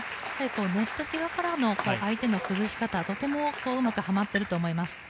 ネット際からの相手の崩し方とてもうまくはまっていると思います。